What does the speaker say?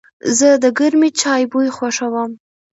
زه د گرمې چای بوی خوښوم.